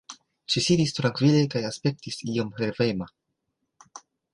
Ŝi sidis trankvile kaj aspektis iom revema.